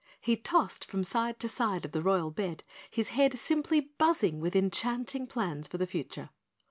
He tossed from side to side of the royal bed, his head simply buzzing with enchanting plans for the future.